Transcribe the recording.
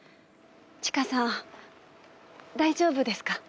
千夏さん大丈夫ですか？